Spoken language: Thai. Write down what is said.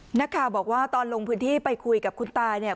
นักข่าวบอกว่าตอนลงพื้นที่ไปคุยกับคุณตาเนี่ย